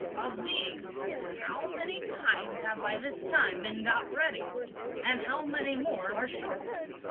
"Of these how many kinds have by this time been got ready? and how many more are short?"